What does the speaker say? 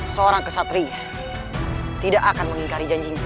seorang kesatria tidak akan mengingkari janjinya